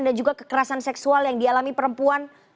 dan juga kekerasan seksual yang dialami perempuan